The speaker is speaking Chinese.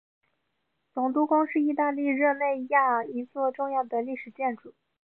总督宫是意大利热那亚一座重要的历史建筑。